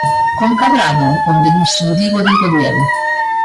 ¿Con Cadrado?, onde dixen digo, digo Diego.